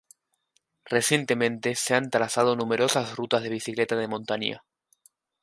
Recientemente se han trazado numerosas rutas de bicicleta de montaña.